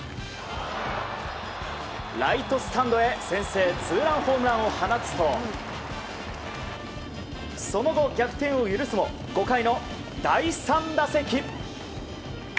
ライトスタンドへ先制ツーランホームランを放つとその後、逆転を許すも５回の第３打席。